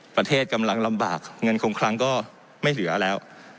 กำลังลำบากเงินคงคลังก็ไม่เหลือแล้ว